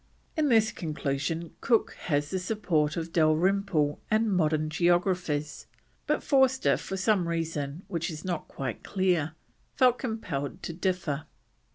In this conclusion Cook has the support of Dalrymple and modern geographers, but Forster, for some reason which is not quite clear, felt compelled to differ.